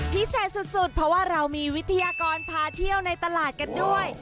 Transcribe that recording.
พิเศษสุดเพราะว่าเรามีวิทยากรพาเที่ยวในตลาดกันด้วย